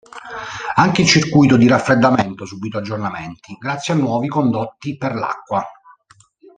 Anche il circuito di raffreddamento ha subito aggiornamenti, grazie a nuovi condotti per l'acqua.